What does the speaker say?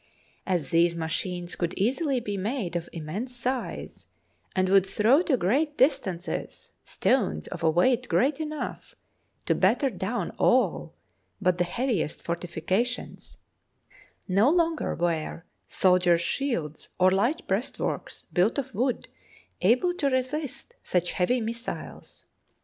As these machines could easily be made of im mense size and would throw to great distances THE BOOK OF FAMOUS SIEGES stones of a weight great enough to batter down all but the heaviest fortifications, no longer were sol diers' shields or light breastworks built of wood able to resist such heavy missiles.